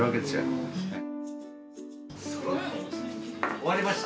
終わりました？